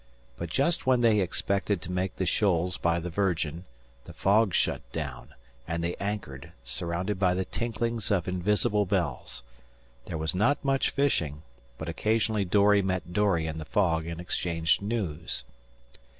But just when they expected to make the shoals by the Virgin the fog shut down, and they anchored, surrounded by the tinklings of invisible bells. There was not much fishing, but occasionally dory met dory in the fog and exchanged news.